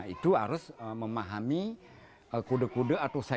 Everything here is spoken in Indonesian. itu harus memahami kode kode atau saya